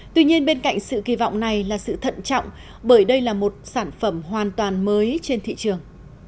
tuy nhiên bên cạnh sự kỳ vọng này là sự thận trọng bởi đây là một sản phẩm hoàn toàn mới trên thị trường